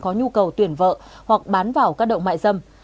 có nhu cầu tuyển vợ hoặc bán vào các động mại dâm